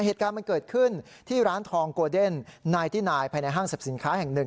เหตุการณ์มันเกิดขึ้นที่ร้านทองโกเดนนายที่นายภายในห้างสรรพสินค้าแห่งหนึ่ง